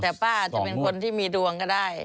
แต่ป้าอาจจะเป็นคนที่มีดวงก็ได้